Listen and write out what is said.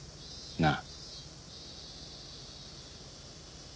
なあ！